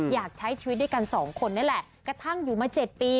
อยากใช้ชีวิตด้วยกันสองคนนี่แหละกระทั่งอยู่มา๗ปี